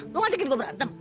lo ngajakin gue berantem